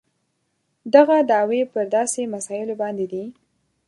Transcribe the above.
دغه دعوې پر داسې مسایلو باندې دي.